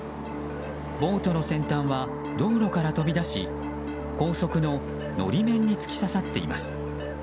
ボートの先端は道路から飛び出し高速の法面に突き刺さっています。